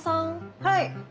はい。